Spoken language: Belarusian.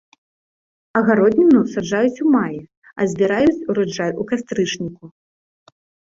Агародніну саджаюць у маі, а збіраюць ураджай у кастрычніку.